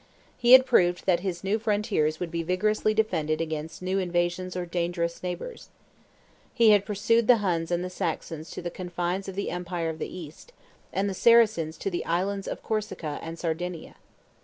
He had proved that his new frontiers would be vigorously defended against new invasions or dangerous neighbors. He had pursued the Huns and the Saxons to the confines of the empire of the East, and the Saracens to the islands of Corsica and Sardinia.